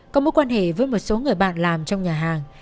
có mối quan hệ với một số người bạn làm trong nhà hàng